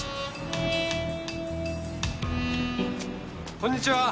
こんにちは。